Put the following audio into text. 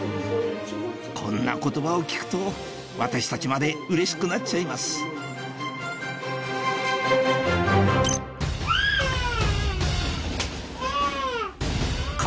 こんな言葉を聞くと私たちまでうれしくなっちゃいますか